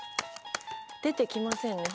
出て来ませんね